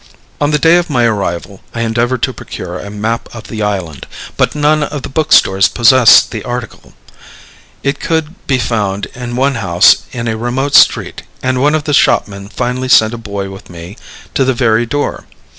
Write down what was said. On the day of my arrival, I endeavored to procure a map of the island, but none of the bookstores possessed the article. It could be found in one house in a remote street, and one of the shopmen finally sent a boy with me to the very door.